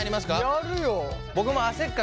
やるよ！